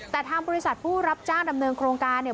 แต่ทางบริษัทผู้รับจ้างดำเนินโครงการเนี่ย